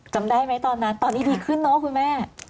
จำได้ไหมตอนนั้นตอนนี้ดีขึ้นเนอะคุณแม่